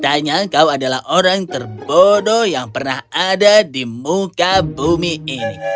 katanya kau adalah orang terbodoh yang pernah ada di muka bumi ini